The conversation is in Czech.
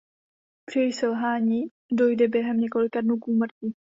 Při jejich selhání dojde během několika dnů k úmrtí.